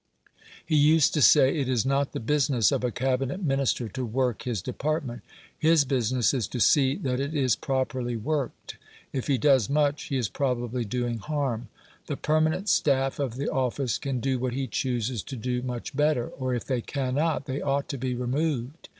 He used to say, "It is not the business of a Cabinet Minister to work his department. His business is to see that it is properly worked. If he does much, he is probably doing harm. The permanent staff of the office can do what he chooses to do much better, or if they cannot, they ought to be removed.